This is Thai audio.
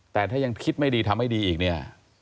แต่ถ้ายังคิดไม่ดีทำไม่ดีอีกเนี่ย